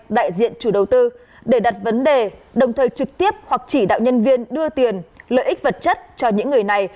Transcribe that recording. đại diện chủ đầu tư để đặt vấn đề đồng thời trực tiếp hoặc chỉ đạo nhân viên đưa tiền lợi ích vật chất cho những người này